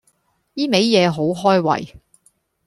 依味野好開胃